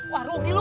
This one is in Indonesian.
wah rugi lu